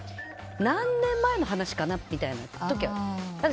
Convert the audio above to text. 何年前の話かなみたいな時はある。